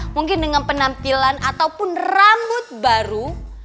mungkin dengan penampilan ataupun rambut baru